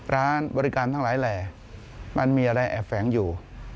ร้านบริการทั้งหลายแหล่มันมีอะไรแอบแฝงอยู่